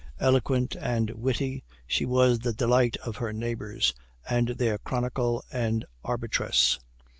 Eloquent and witty, she was the delight of her neighbors, and their chronicle and arbitress.